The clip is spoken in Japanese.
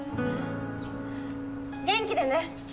元気でね！